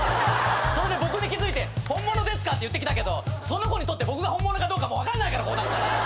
それで僕に気付いて「本物ですか？」って言ってきたけどその子にとって僕が本物かどうか分かんないからこうなったら。